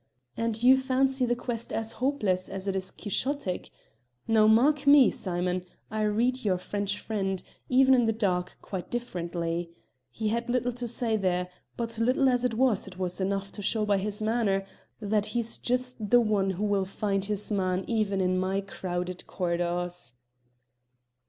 "And you fancy the quest as hopeless as it is quixotic? Now mark me! Simon; I read our French friend, even in the dark, quite differently. He had little to say there, but little as it was 'twas enough to show by its manner that he's just the one who will find his man even in my crowded corridors."